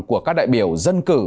của các đại biểu dân cử